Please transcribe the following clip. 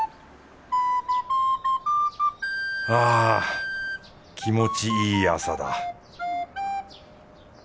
あ気持ちいい朝だ。